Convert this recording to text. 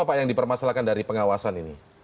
apa yang dipermasalahkan dari pengawasan ini